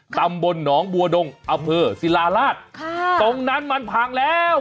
ตำบลหนองบัวดงอำเภอศิลาราชตรงนั้นมันพังแล้ว